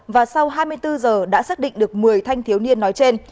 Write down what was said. và sau hai mươi bốn giờ đã xác định được một mươi thanh thiếu niên nói trên